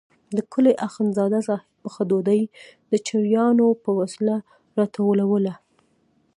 د کلي اخندزاده صاحب پخه ډوډۍ د چړیانو په وسیله راټولوله.